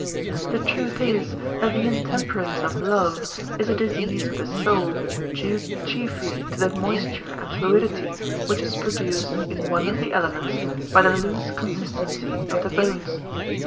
The truth is that the intemperance of love is a disease of the soul due chiefly to the moisture and fluidity which is produced in one of the elements by the loose consistency of the bones.